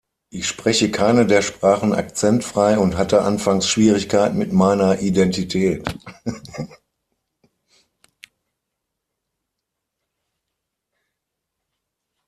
Ich spreche keine der Sprachen akzentfrei und hatte anfangs Schwierigkeiten mit meiner Identität.